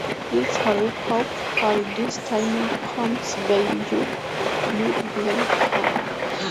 It's a rip off... All this time honey baby you've been had.